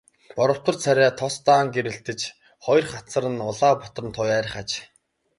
Боровтор царай нь тос даан гэрэлтэж, хоёр хацар нь улаа бутран туяарах аж.